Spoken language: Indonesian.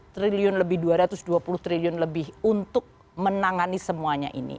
triliun lebih dua ratus dua puluh triliun lebih untuk menangani semuanya ini